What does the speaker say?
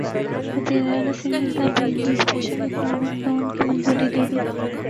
وزیراعلی سندھ نے Dhabeji special economic zone کی منظوری دیدی